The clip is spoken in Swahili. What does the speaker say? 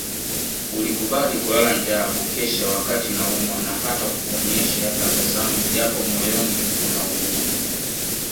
Ulikubali kulala njaa kukesha wakati naumwa na hata kuonyesha tabasamu japo moyoni unaumia